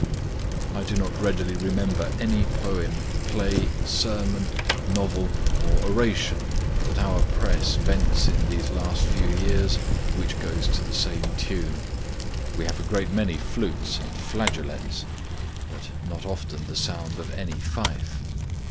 I do not readily remember any poem, play, sermon, novel, or oration that our press vents in the last few years, which goes to the same tune. We have a great many flutes and flageolets, but not often the sound of any fife.